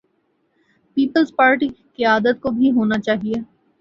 Peoples Party کی قیادت کو بھی ہونا چاہیے۔